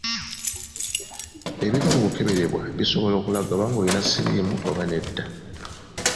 Ebiva mu kukeberebwa bisobola okulaga oba ng’olina siriimu oba nedda.